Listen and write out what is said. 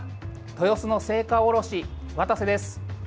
豊洲の青果卸、渡瀬です。